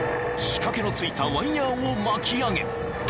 ［仕掛けのついたワイヤーを巻き上げ